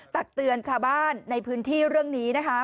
ตักเตือนชาวบ้านในพื้นที่เรื่องนี้นะคะ